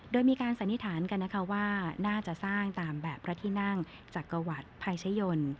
โดยมีการสันนิษฐานกันนะคะว่าน่าจะสร้างตามแบบพระที่นั่งจักรวรรดิภัยชยนต์